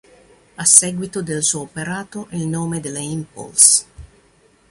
A seguito del suo operato, il nome della "Impulse!